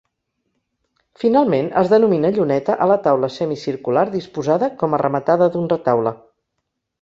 Finalment, es denomina lluneta a la taula semicircular disposada com a rematada d'un retaule.